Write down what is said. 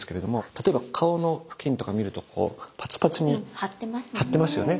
例えば顔の付近とか見るとパツパツに張ってますよね。